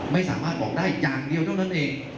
ไม่สามารถบอกได้อย่างเดียวเท่านั้นเอง